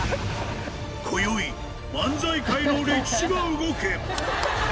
こよい漫才界の歴史が動く。